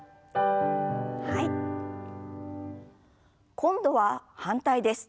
今度は反対です。